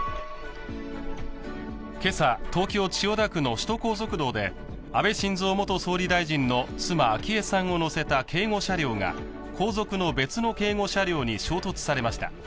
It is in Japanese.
今朝、東京・千代田区の首都高速道で安倍晋三元総理大臣の妻、昭恵さんを乗せた警護車両が後続の別の警護車両に衝突されました。